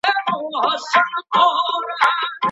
که سوله وکړئ دا به د ټولو په ګټه وي.